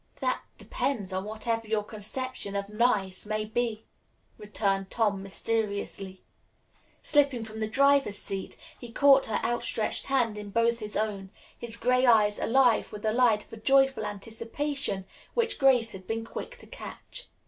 "That depends on whatever your conception of 'nice' may be," returned Tom mysteriously. Slipping from the driver's seat, he caught her outstretched hand in both his own, his gray eyes alive with the light of a joyful anticipation which Grace had been quick to catch.